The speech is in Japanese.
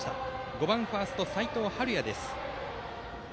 ５番ファースト、齋藤敏哉です。